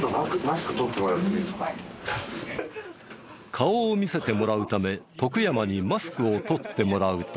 顔を見せてもらうため徳山にマスクを取ってもらうと。